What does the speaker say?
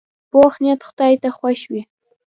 پوخ نیت خدای ته خوښ وي